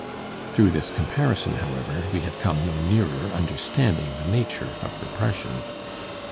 Through this comparison, however, we have come no nearer understanding the nature of repression.